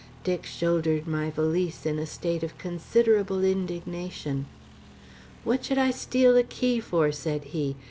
Dick shouldered my valise in a state of considerable indignation. "What should I steal the key for?" said he.